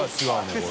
これ。